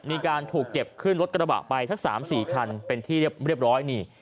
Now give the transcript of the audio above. มีการถูกเก็บขึ้นรถกระบะไปสัก๓๔คันเป็นที่เรียบร้อยนี่